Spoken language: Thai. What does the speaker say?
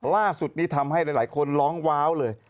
ล่าสุดนี้ทำให้หลายคนร้องว้าวเลย